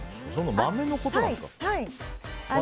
豆のことなんですか？